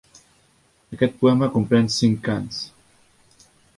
Aquest poema comprèn cinc cants.